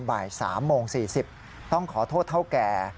บ่าย๓โมง๔๐ต้องขอโทษเท่าแก่